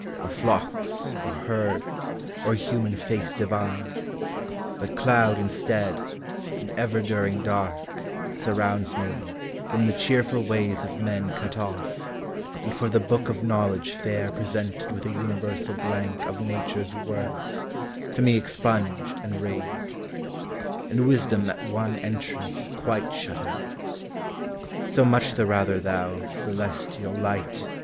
Or (locks, or herds, or human face divine: But cloud, instead, and ever (lining dark, Surrounds me, from the cheerful ways of m«n Qui Off, and for the book of knowledge fail Presented with a universal blank Of nature's work*, to me expunged and rased, And wisdom at one entrance quite shut out. So much the rather thou, celestial Light.